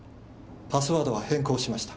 パスワードは変更しました。